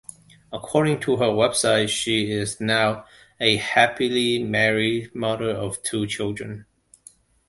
According to her website, she is now a happily married mother of two children.